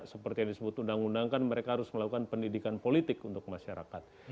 seperti yang disebut undang undang kan mereka harus melakukan pendidikan politik untuk masyarakat